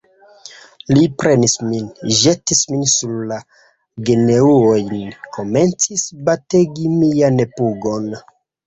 Li prenis min, ĵetis min sur la genuojn, komencis bategi mian pugon.